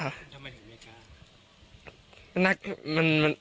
ทำไมถึงไม่กล้า